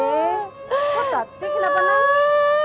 kok tati kenapa nangis